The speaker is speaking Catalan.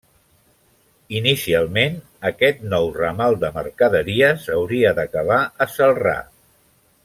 Inicialment aquest el nou ramal de mercaderies hauria d'acabar a Celrà.